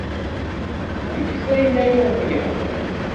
Get ayen ay awen-yehwan.